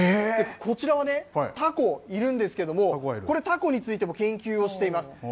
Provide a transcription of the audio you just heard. こちらはね、たこいるんですけれどもたこについても研究をしています。